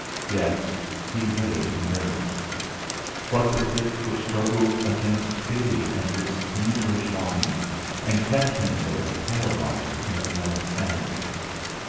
Yet he lay inert. What was it which struggled against pity and this feverish longing, and kept him there paralysed in the warm sand?